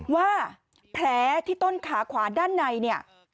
ว่าแผลที่ต้นขาขวาด้านในเนี่ย